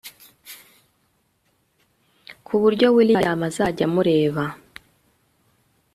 kuburyo william azajya amureba